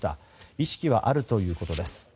意識はあるということです。